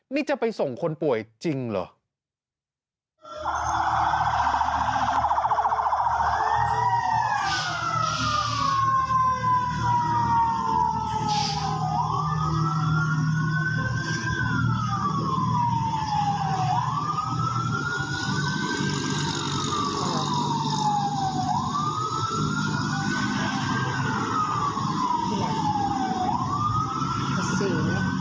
นี่จะไปส่งคนป่วยจริงเหรอ